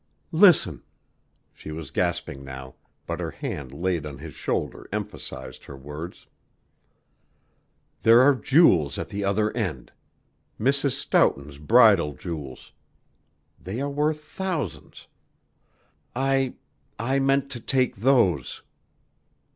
"Listen!" She was gasping now, but her hand laid on his shoulder emphasized her words. "There are jewels at the other end; Mrs. Stoughton's bridal jewels. They are worth thousands. I I meant to take those.